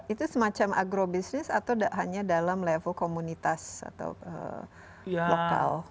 itu semacam agrobisnis atau hanya dalam level komunitas atau lokal